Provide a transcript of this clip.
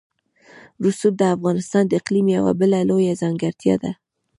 رسوب د افغانستان د اقلیم یوه بله لویه ځانګړتیا ده.